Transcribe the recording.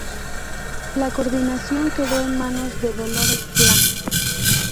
La coordinación quedó en manos de Dolores Plá.